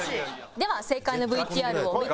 では正解のＶＴＲを見てみましょう。